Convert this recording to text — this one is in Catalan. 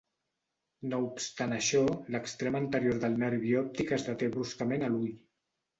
No obstant això, l'extrem anterior del nervi òptic es deté bruscament a l'ull.